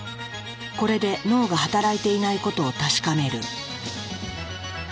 これで脳が働いていないことを確かめる。